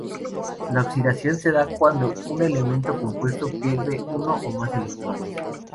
La oxidación se da cuando un elemento o compuesto pierde uno o más electrones.